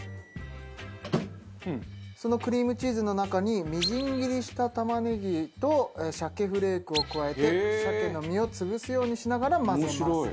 そのクリームチーズの中にみじん切りした玉ねぎと鮭フレークを加えて鮭の身を潰すようにしながら混ぜます。